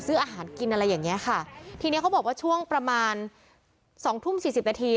ซื้ออาหารกินอะไรอย่างเงี้ยค่ะทีเนี้ยเขาบอกว่าช่วงประมาณสองทุ่มสี่สิบนาที